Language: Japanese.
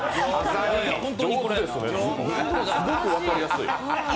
すごく分かりやすい。